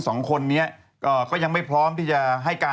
สองคนนี้ก็ยังไม่พร้อมที่จะให้การ